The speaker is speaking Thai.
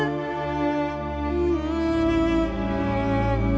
สวัสดีครับสวัสดีครับ